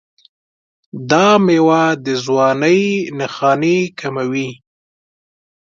دا میوه د ځوانۍ نښانې کموي.